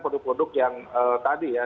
produk produk yang tadi ya